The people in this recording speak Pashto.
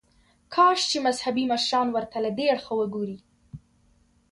کاش چې مذهبي مشران ورته له دې اړخه وګوري.